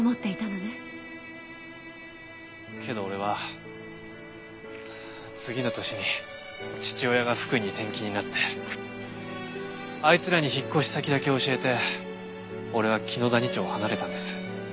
けど俺は次の年に父親が福井に転勤になってあいつらに引っ越し先だけ教えて俺は紀野谷町を離れたんです。